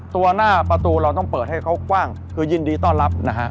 ตัวหน้าประตูเราต้องเปิดให้เขากว้างคือยินดีต้อนรับนะฮะ